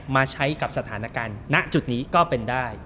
มาใช้กับสถานการณ์ณจุดนี้ก็เป็นได้